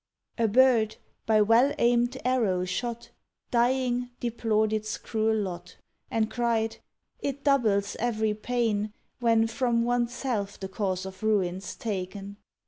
A bird by well aimed arrow shot, Dying, deplored its cruel lot; And cried, "It doubles every pain When from oneself the cause of ruin's ta'en.